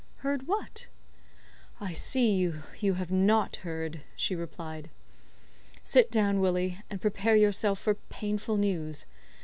"Heard what?" "I see you have not heard," she replied. "Sit down, Willie, and prepare yourself for painful news.